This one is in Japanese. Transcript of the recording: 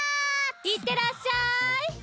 いってらっしゃい！